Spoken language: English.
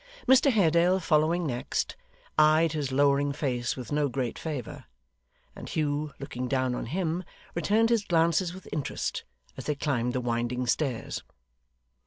Mr Haredale following next, eyed his lowering face with no great favour; and Hugh, looking down on him, returned his glances with interest, as they climbed the winding stairs.